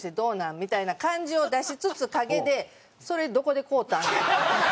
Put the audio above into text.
みたいな感じを出しつつ陰で「それどこで買うたん？」とか。